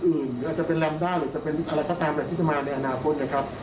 หรืออาจจะเป็นแรมด้าหรือจะเป็นอะไรก็ตามแต่ที่จะมาในอนาคตนะครับ